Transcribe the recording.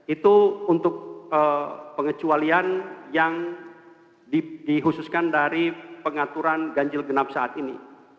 itu untuk pengecualian yang dikhususkan dari pengaturan ganjil genap saat ini